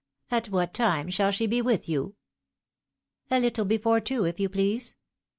At what time shall she be with you ?"" A little before two, if you please."